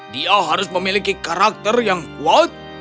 dia harus memiliki karakter yang kuat